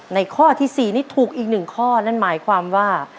ในข้อที่สี่นี่ถูกอีกหนึ่งข้อนั่นหมายความว่า